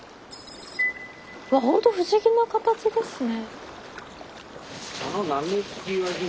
うわホント不思議な形ですね。